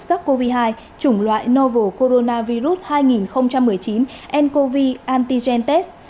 sars cov hai chủng loại novel coronavirus hai nghìn một mươi chín ncov antigen test